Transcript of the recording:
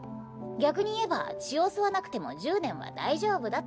逆に言えば血を吸わなくても１０年は大丈夫だってことだ。